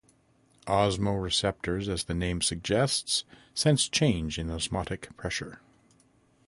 Osmoreceptors, as the name suggests, sense change in osmotic pressure.